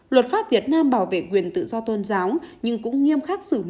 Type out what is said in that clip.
luật pháp việt nam bảo vệ quyền tự do tôn giáo